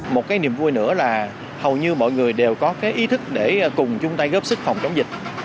một cái niềm vui nữa là hầu như mọi người đều có cái ý thức để cùng chung tay góp sức phòng chống dịch